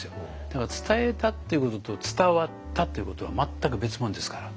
だから伝えたっていうことと伝わったっていうことは全く別物ですから。